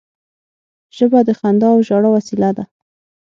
ژبه د خندا او ژړا وسیله ده